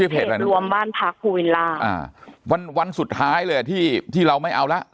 เพจรวมบ้านพักภูวินราวันสุดท้ายเลยที่เราไม่เอาแล้ว